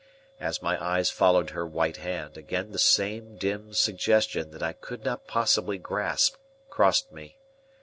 As my eyes followed her white hand, again the same dim suggestion that I could not possibly grasp crossed me.